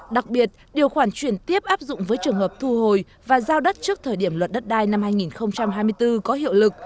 đặc biệt điều khoản chuyển tiếp áp dụng với trường hợp thu hồi và giao đất trước thời điểm luật đất đai năm hai nghìn hai mươi bốn có hiệu lực